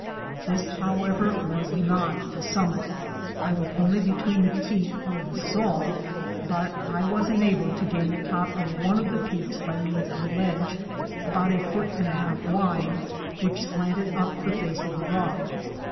This, however, was not the summit — I was only between the teeth of the saw; but I was enabled to gain the top of one of the peaks by means of a ledge, about a foot and a half wide, which slanted up the face of the rock.